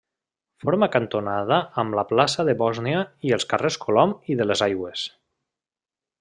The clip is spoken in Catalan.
Forma cantonada amb la plaça de Bòsnia i els carrers Colom i de les Aigües.